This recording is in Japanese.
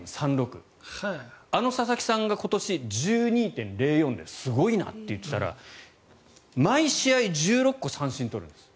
あの佐々木さんが今年１２．０４ですごいなって言ってたら毎試合１６個三振を取るんです。